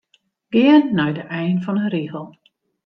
Gean nei de ein fan 'e rigel.